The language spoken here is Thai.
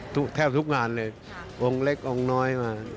แทบทุกงานเลยองค์เล็กองค์น้อยมา